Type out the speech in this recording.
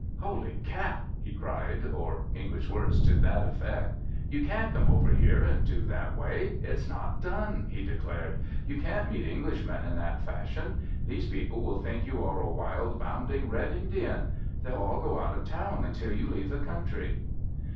"Holy cat!" he cried, or English words to that effect, "you can't come over here and do that way. It's not done," he declared. "You can't meet Englishmen in that fashion. These people will think you are a wild, bounding red Indian. They'll all go out of town until you leave the country."